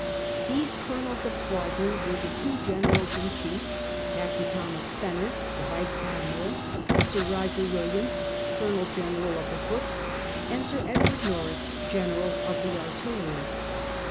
These "colonels, of squadrons " were the two generals in chief. Captain Thomas Fenner the vice admiral. Sir Eoger Williams, colonel general of the foot, and Sir Edward Norreys, general of the artillery.